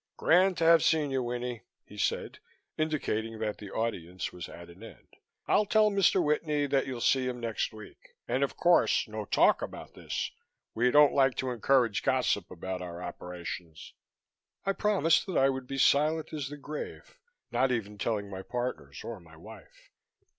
"Grand to have seen you, Winnie," he said, indicating that the audience was at an end. "I'll tell Mr. Whitney that you'll see him next week. And of course, no talk about this. We don't like to encourage gossip about our operations." I promised that I would be silent as the grave, not even telling my partners or my wife.